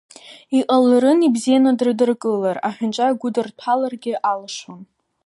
Иҟаларын ибзианы дрыдыркылар, аҳәынҵәа игәыдырҭәаларгьы алшон.